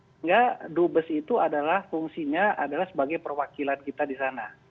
sehingga dubes itu adalah fungsinya adalah sebagai perwakilan kita di sana